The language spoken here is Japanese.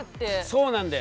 そうなんだよ。